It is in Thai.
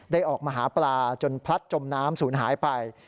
ได้ออกมาหาปลาจนพลัดจมน้ำสูญหายไป